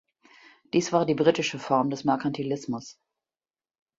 Dies war die britische Form des Merkantilismus.